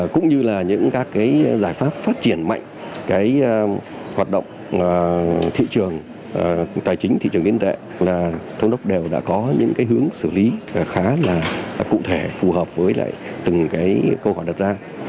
cũng như là những các cái giải pháp phát triển mạnh cái hoạt động thị trường tài chính thị trường kinh tế là thống đốc đều đã có những cái hướng xử lý khá là cụ thể phù hợp với lại từng cái câu hỏi đặt ra